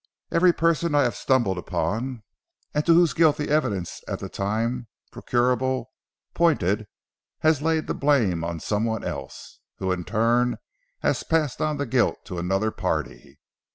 Every person I have stumbled upon, and to whose guilt the evidence at the time procurable, pointed, has laid the blame on some one else, who in turn has passed on the guilt to another party.